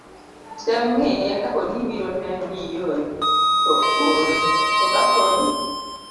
tem ng'iye kapo ni ibiro neno ni iore, to ore. to kapo ni